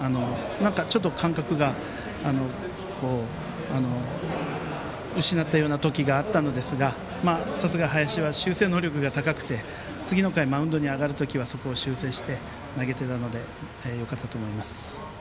ちょっと感覚が失ったような時があったのですがさすが、林は修正能力が高くて次の回、マウンドに上がる時にはそこを修正して投げてたのでよかったと思います。